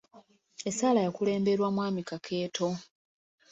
Essaala yakulemberwa mwami Kakeeto.